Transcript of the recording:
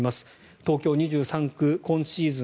東京２３区、今シーズン